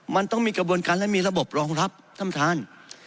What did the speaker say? มันต้องมีกระบวนการและมีระบบรองรับท่านท่าน